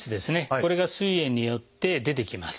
これがすい炎によって出てきます。